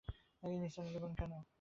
নিসার আলি বললেন, তুমি এত হাসছ কেন?